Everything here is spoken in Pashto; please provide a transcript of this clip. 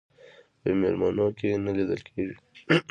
په میلمنو کې نه لیدل کېږي.